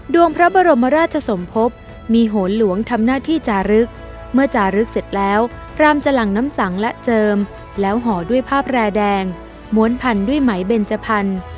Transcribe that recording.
ดวงพระบรมราชสมภพมีโหนหลวงทำหน้าที่จารึกเมื่อจารึกเสร็จแล้วพรามจะหลั่งน้ำสังและเจิมแล้วห่อด้วยผ้าแพร่แดงม้วนพันด้วยไหมเบนจพันธุ์